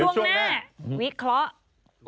ช่วงแมา่วิเคราะห์